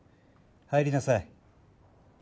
入りなさい。